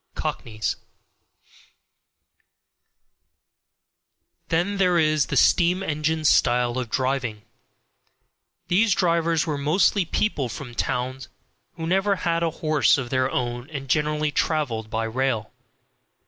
29 Cockneys Then there is the steam engine style of driving; these drivers were mostly people from towns, who never had a horse of their own and generally traveled by rail.